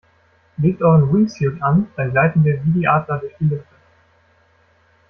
Legt euren Wingsuit an, dann gleiten wir wie die Adler durch die Lüfte!